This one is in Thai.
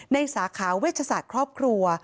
สาขาเวชศาสตร์ครอบครัว